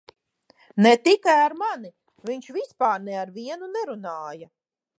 Ne tikai ar mani - viņš vispār ne ar vienu nerunāja.